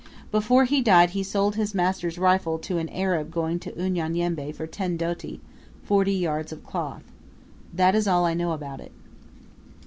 Before he died he sold his master's rifle to an Arab going to Unyanyembe for ten doti (forty yards of cloth). That is all I know about it."